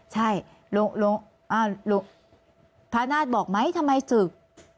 ใช่พระนาฏบอกไหมทำไมศึก